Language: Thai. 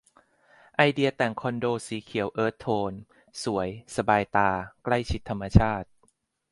ไอเดียแต่งคอนโดสีเขียวเอิร์ธโทน สวย สบายตา ใกล้ชิดธรรมชาติ